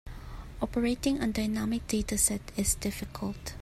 Operating on dynamic data sets is difficult.